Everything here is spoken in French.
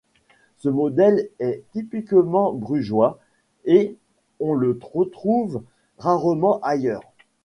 Ce modèle est typiquement brugeois, et on le retrouve rarement ailleurs.